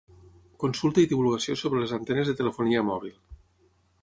Consulta i divulgació sobre les antenes de telefonia mòbil.